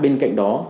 bên cạnh đó